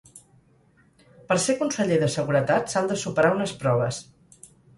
Per ser conseller de seguretat s'han de superar unes proves.